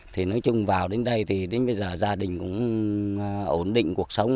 thì nói chung vào đến đây thì đến bây giờ gia đình cũng ổn định cuộc sống